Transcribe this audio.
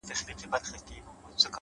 هدف روښانه وي نو قدمونه سمېږي!